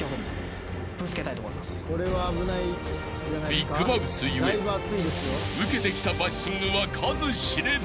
［ビッグマウス故受けてきたバッシングは数知れず］